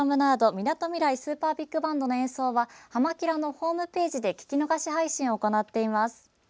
みなとみらいＳｕｐｅｒＢｉｇＢａｎｄの演奏は「はま☆キラ！」のホームページで聴き逃し配信を行っています。